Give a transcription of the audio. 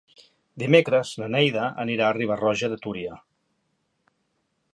Dimecres na Neida anirà a Riba-roja de Túria.